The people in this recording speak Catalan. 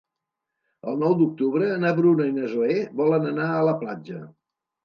El nou d'octubre na Bruna i na Zoè volen anar a la platja.